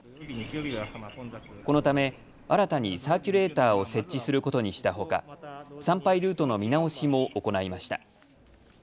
このため新たにサーキュレーターを設置することにしたほか参拝ルートの見直しも行いました。